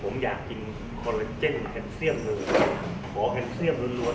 ผมอยากกินขอลาเจนแคปเซียมเลยนะครับขอแคปเซียมร้อนร้อยหนึ่ง